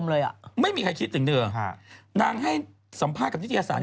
ก็ไม่มีใครคิดว่านางจะท้องจริง